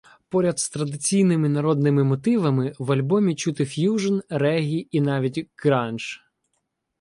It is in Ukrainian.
Поряд з традиційними народними мотивами в альбомі чути ф'южн, реггі і навіть ґрандж.